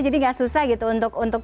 jadi nggak susah gitu untuk memasarkan